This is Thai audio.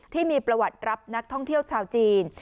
ที่มีประวัติรับนักท่องเที่ยวชาวจีน